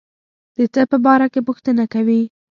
د څه په باره کې پوښتنه کوي.